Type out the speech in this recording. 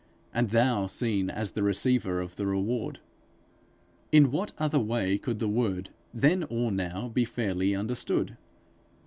and thou seen as the receiver of the reward!_ In what other way could the word, then or now, be fairly understood?